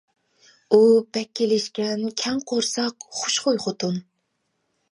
ئۇ بەك كېلىشكەن، كەڭ قورساق، خۇشخۇي خوتۇن.